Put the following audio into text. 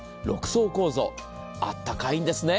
６層構造、あったかいんですね。